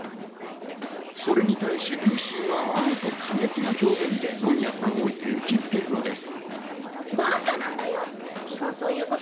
それに対し、ルーシーがあえて過激な表現で野宮さんを勇気づけたのです。